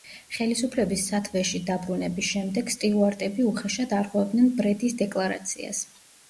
ხელისუფლების სათვეში დაბრუნების შემდეგ სტიუარტები უხეშად არღვევდნენ ბრედის დეკლარაციას.